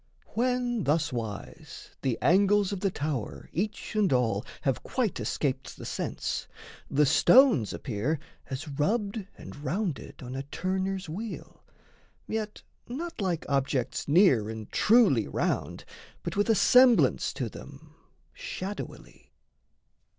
When thuswise The angles of the tower each and all Have quite escaped the sense, the stones appear As rubbed and rounded on a turner's wheel Yet not like objects near and truly round, But with a semblance to them, shadowily.